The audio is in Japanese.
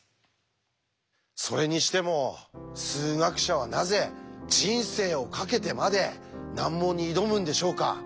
それにしても数学者はなぜ人生をかけてまで難問に挑むんでしょうか？